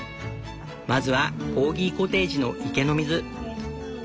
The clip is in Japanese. まずはコーギコテージの池の水。